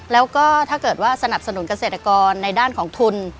แล้วก็ถ้าเกิดว่าสนับสนุนเกษตรกรในด้านของทุน